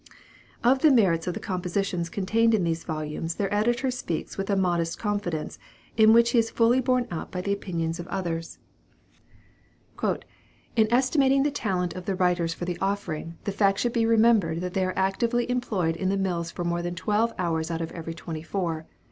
Of the merits of the compositions contained in these volumes their editor speaks with a modest confidence, in which he is fully borne out by the opinions of others: "In estimating the talent of the writers for the 'Offering,' the fact should be remembered, that they are actively employed in the mills for more than twelve hours out of every twenty four.